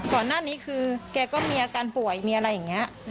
ก่อนหน้านี้คือแกก็มีอาการป่วยมีอะไรอย่างนี้